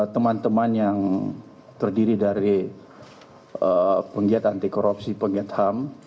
teman teman yang terdiri dari penggiat anti korupsi penggiat ham